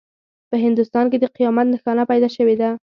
په هندوستان کې د قیامت نښانه پیدا شوې ده.